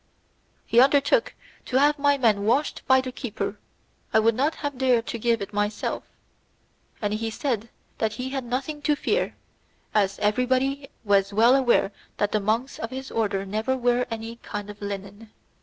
He undertook to have my linen washed by the keeper; I would not have dared to give it myself, and he said that he had nothing to fear, as everybody was well aware that the monks of his order never wear any kind of linen.